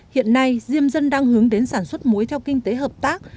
hiện nay diêm dân đang hướng đến sản xuất muối theo kinh tế hợp tác